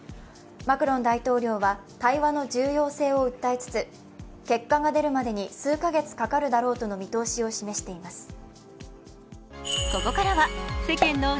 マクロン大統領は対話の重要性を訴えつつ結果が出るまでに数カ月かかるだろうとの見通しを示しています。